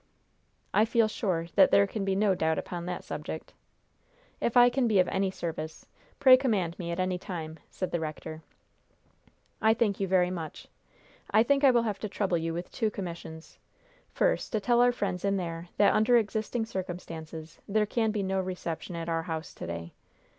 "I feel sure that there can be no doubt upon that subject." "If I can be of any service, pray command me at any time," said the rector. "I thank you very much. I think I will have to trouble you with two commissions. First, to tell our friends in there that, under existing circumstances, there can be no reception at our house to day."